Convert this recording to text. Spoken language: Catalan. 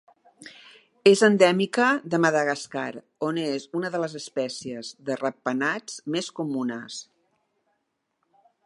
És endèmica de Madagascar, on és una de les espècies de ratpenats més comunes.